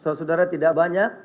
saudara saudara tidak banyak